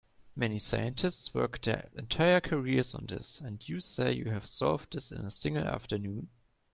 Many scientists work their entire careers on this, and you say you have solved this in a single afternoon?